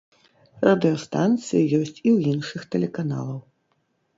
Радыёстанцыі ёсць і ў іншых тэлеканалаў.